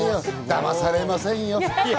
だまされませんよ。